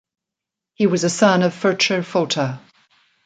He was a son of Ferchar Fota.